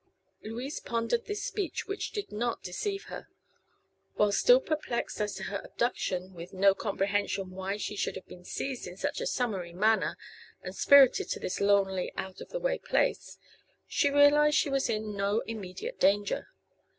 Louise pondered this speech, which did not deceive her. While still perplexed as to her abduction, with no comprehension why she should have been seized in such a summary manner and spirited to this lonely, out of the way place, she realized she was in no immediate danger.